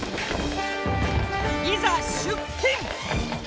いざ出勤！